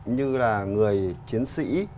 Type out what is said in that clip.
như là người chiến sĩ